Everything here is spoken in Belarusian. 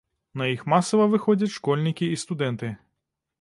На іх масава выходзяць школьнікі і студэнты.